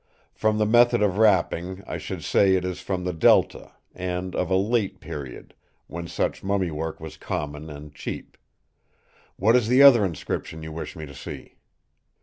From the method of wrapping I should say it is from the Delta; and of a late period, when such mummy work was common and cheap. What is the other inscription you wish me to see?"